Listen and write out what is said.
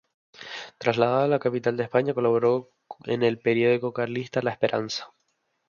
Trasladado a la capital de España, colaboró en el periódico carlista "La Esperanza".